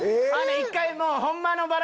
一回もう。